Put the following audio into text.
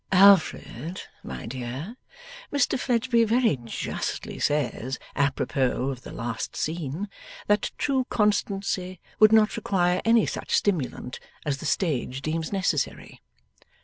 'Alfred, my dear, Mr Fledgeby very justly says, apropos of the last scene, that true constancy would not require any such stimulant as the stage deems necessary.